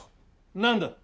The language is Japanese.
何だ？